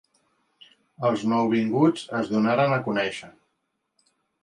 Els nouvinguts es donaren a conèixer.